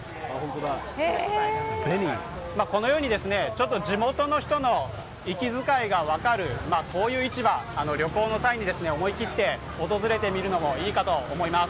このように地元の人の息遣いが分かるこういう市場、旅行の際に思い切って訪れてみるのもいいかと思います。